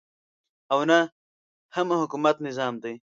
او نه هم حکومت نظام دی.